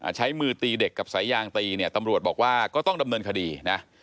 ใช้มือตีเด็กกับสายยางตีเนี่ยตำรวจบอกว่าก็ต้องดำเนินคดีนะ